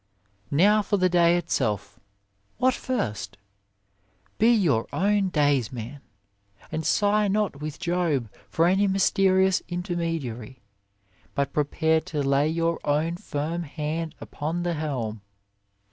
IV Now, for the day itself! What first ? Be your own daysman ! and sigh not with Job for any mysterious intermediary, but prepare to lay your own firm hand upon the helm.